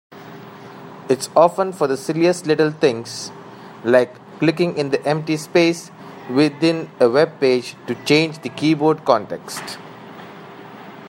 It's often for the silliest little things, like clicking in the empty space within a webpage to change the keyboard context.